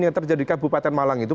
yang terjadi di kabupaten malang itu